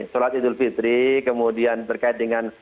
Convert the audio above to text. sholat idul fitri kemudian terkait dengan